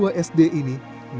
nekat mencari rezeki di ibu kota